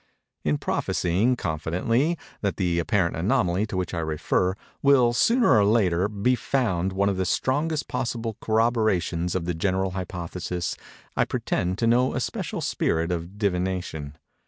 In prophecying, confidently, that the apparent anomaly to which I refer, will, sooner or later, be found one of the strongest possible corroborations of the general hypothesis, I pretend to no especial spirit of divination.